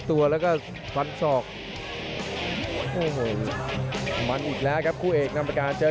กระโดยสิ้งเล็กนี่ออกกันขาสันเหมือนกันครับ